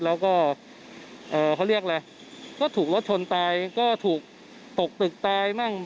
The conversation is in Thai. แล้วก็เขาเรียกอะไรก็ถูกรถชนตายก็ถูกตกตึกตายมั่ง